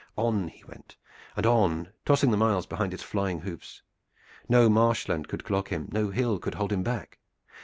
On he went, and on, tossing the miles behind his flying hoofs. No marsh land could clog him, no hill could hold him back.